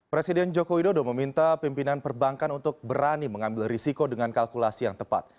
presiden joko widodo meminta pimpinan perbankan untuk berani mengambil risiko dengan kalkulasi yang tepat